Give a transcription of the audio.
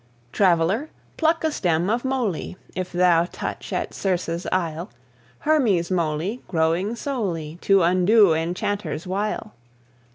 Traveller, pluck a stem of moly, If thou touch at Circe's isle, Hermes' moly, growing solely To undo enchanter's wile!